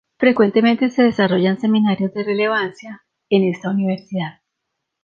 Frecuentemente se desarrollan seminarios de relevancia en esta universidad.